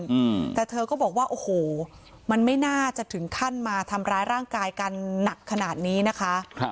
อืมแต่เธอก็บอกว่าโอ้โหมันไม่น่าจะถึงขั้นมาทำร้ายร่างกายกันหนักขนาดนี้นะคะครับ